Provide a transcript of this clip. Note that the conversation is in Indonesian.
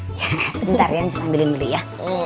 bentar ya anjus ambilin beli ya